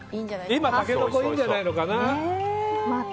今、タケノコいいんじゃないのかな。